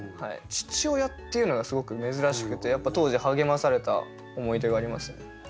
父親っていうのがすごく珍しくてやっぱ当時励まされた思い出がありますね。